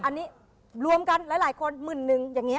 อันนี้รวมกันหลายคนหมื่นนึงอย่างนี้